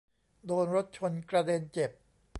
โดนรถชนกระเด็นเจ็บ